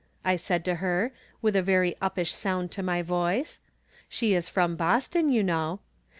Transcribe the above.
" I said to her, with a very uppish sound to my voice. She is from Boston, you know.